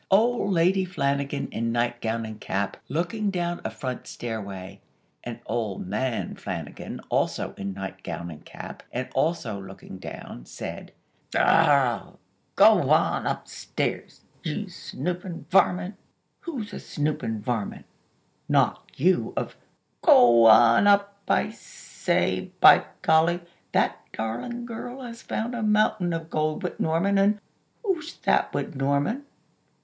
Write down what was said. Old Lady Flanagan in nightgown and cap, looking down a front stairway, (and Old Man Flanagan, also in nightgown and cap, and also looking down), said: "Arrah!! Go wan oop stairs, you snoopin' varmit!" "Who's a snoopin' varmint? Not you, of " "Go wan oop, I say! By golly! That darlin' girl has found a mountain of gold wid Norman an' " "Who's that wid Norman?